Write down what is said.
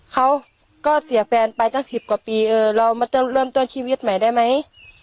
เขาก็เสียแฟนไปตั้ง๑๐กว่าปีเออเรามาเริ่มต้นชีวิตใหม่ได้ไหม